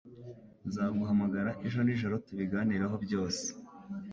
Nzaguhamagara ejo nijoro tubiganireho byose.